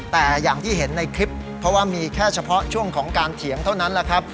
แต่อย่างที่เห็นในคลิปเพราะว่ามีแค่เฉพาะช่วงของการเถียงเท่านั้นแหละครับ